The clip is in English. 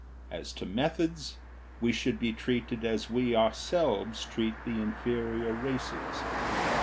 As to methods, we should be treated as we ourselves treat the inferior races.